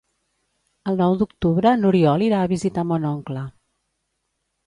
El nou d'octubre n'Oriol irà a visitar mon oncle.